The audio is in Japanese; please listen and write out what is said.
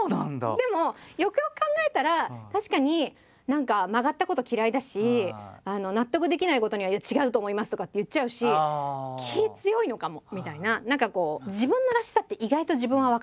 でもよくよく考えたら確かに何か曲がったこと嫌いだし納得できないことには「いや違うと思います」とかって言っちゃうし気強いのかもみたいな。